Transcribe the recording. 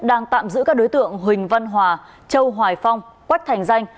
đang tạm giữ các đối tượng huỳnh văn hòa châu hoài phong quách thành danh